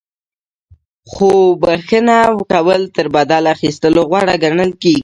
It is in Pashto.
خو بخښنه کول تر بدل اخیستلو غوره ګڼل کیږي.